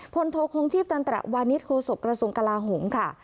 ผลโทคงทีพตั้งแต่วานิสโฆษกระทรวงกราหงษ์ค่ะ